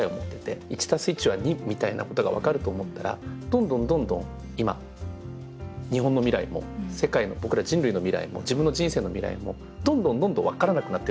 「１足す１は２」みたいなことがわかると思ったらどんどんどんどん今日本の未来も世界の僕ら人類の未来も自分の人生の未来もどんどんどんどんわからなくなってると思うんですよ。